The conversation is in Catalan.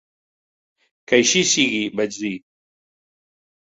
"Que així sigui", vaig dir.